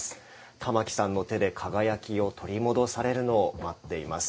玉置さんの手で輝きを取り戻されるのを待っています。